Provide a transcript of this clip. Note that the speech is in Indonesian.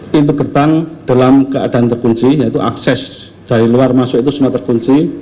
pintu gerbang dalam keadaan terkunci yaitu akses dari luar masuk itu semua terkunci